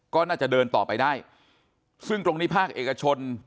ก็น่าจะเดินต่อไปได้ซึ่งตรงนี้ภาคเอกชน